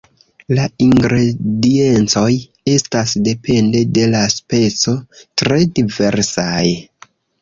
La ingrediencoj estas, depende de la speco, tre diversaj.